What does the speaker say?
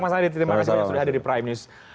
mas adi terima kasih banyak sudah hadir di prime news